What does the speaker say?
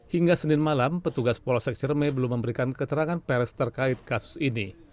hingga senin malam petugas polosek cermet belum memberikan keterangan peres terkait kasus ini